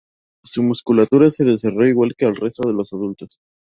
Su musculatura se desarrolla igual que al resto de los adultos.